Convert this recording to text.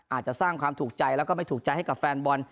อาจจะสร้างความถูกใจแล้วก็ไม่ถูกใจให้กับแฟนบอล